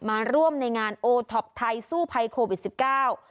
มาร่วมในงานทายสู้ภัยโควิดสิบเก้า